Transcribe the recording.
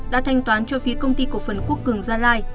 đã thanh toán cho phía công ty cổ phần quốc cường gia lai